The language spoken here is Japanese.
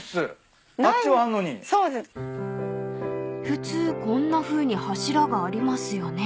［普通こんなふうに柱がありますよね］